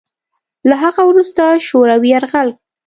له هغه وروسته شوروي یرغل